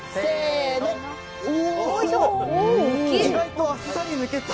おお、意外とあっさり抜けた！